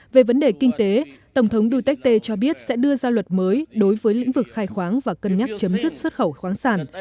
về vấn đề kinh tế tổng thống duterte cho biết sẽ đưa ra luật mới đối với lĩnh vực khai khoáng và cân nhắc chấm dứt xuất khẩu khoáng sản